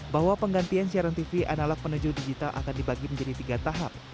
bahwa penggantian siaran tv analog menuju digital akan dibagi menjadi tiga tahap